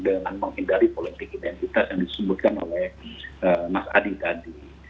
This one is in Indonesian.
dengan menghindari politik identitas yang disebutkan oleh mas adi tadi